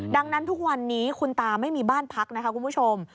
ดังนั้นทุกวันนี้คุณตาไม่มีบ้านพักนะคะคุณผู้ชม